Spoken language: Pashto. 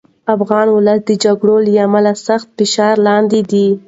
افغان ولس د جګړې له امله سخت فشار لاندې دی.